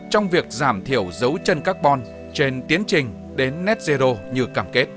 trong việc giảm thiểu dấu chân carbon trên tiến trình đến netzero như cảm kết